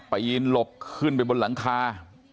ปีนหลบขึ้นไปบนหลังคา